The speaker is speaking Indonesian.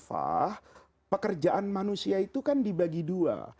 fah pekerjaan manusia itu kan dibagi dua